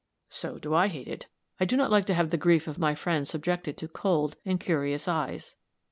"So do I hate it. I do not like to have the grief of my friends subjected to cold and curious eyes."